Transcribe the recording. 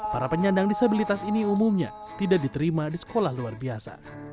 para penyandang disabilitas ini umumnya tidak diterima di sekolah luar biasa